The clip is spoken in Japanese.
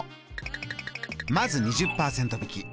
まず２０％引き。